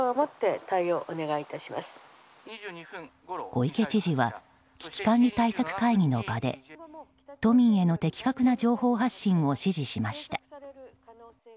小池知事は危機管理対策会議の場で都民への的確な情報発信を指示しました。